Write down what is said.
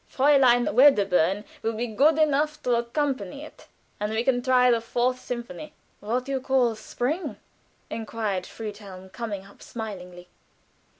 Fräulein Wedderburn will be good enough to accompany us, and we can try the Fourth Symphony." "What you call 'Spring'?" inquired Helfen, coming up smilingly.